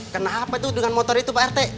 kenapa itu dengan motor itu pak rt